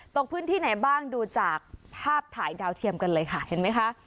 ตกพื้นที่ไหนบ้างดูจากภาพถ่ายดาวเทียมกันเลยค่ะเห็นไหมคะ